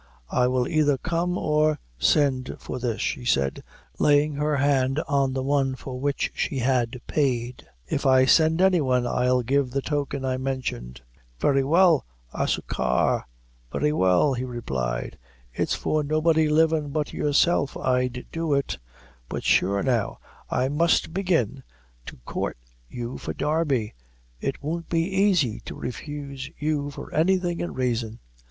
"I will either come or send for this," she said laying her hand on the one for which she had paid. "If I send any one, I'll give the token I mentioned." "Very well, a suchar very well," he replied; "it's for nobody livin' but yourself I'd do it; but sure, now that I must begin to coort you for Darby, it won't be aisy to refuse you for anything in raison."